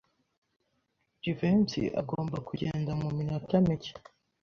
Jivency agomba kugenda muminota mike.